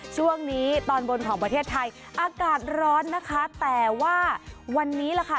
ช่วงนี้ตอนบนของประเทศไทยอากาศร้อนนะคะแต่ว่าวันนี้ล่ะค่ะ